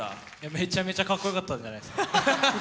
めちゃめちゃかっこよかったんじゃないですか。